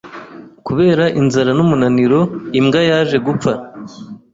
Kubera inzara n'umunaniro, imbwa yaje gupfa.